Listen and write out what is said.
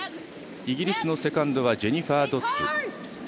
イギリスのセカンドジェニファー・ドッズ。